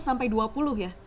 enam belas sampai dua puluh ya